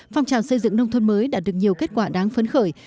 phong trào xây dựng nông thôn mới đạt được nhiều kết quả đáng phấn khởi